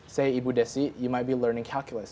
katakanlah ibu desi anda mungkin belajar kalkulasi